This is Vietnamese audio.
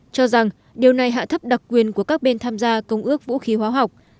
cho rằng điều này hạ thấp đặc quyền của các bên tham gia công ước vũ khí hóa học